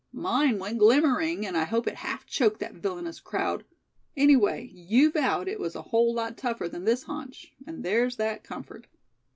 Mine went glimmering, and I hope it half choked that villainous crowd. Anyway you vowed it was a whole lot tougher than this haunch; and there's that comfort."